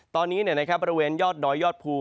ตอนนี้นะครับบริเวณยอดน้อยยอดภู